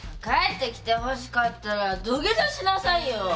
帰ってきてほしかったら土下座しなさいよ！